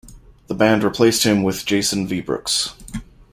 The band replaced him with Jason Viebrooks.